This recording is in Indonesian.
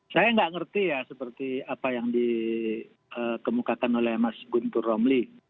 saya nggak ngerti ya seperti apa yang dikemukakan oleh mas guntur romli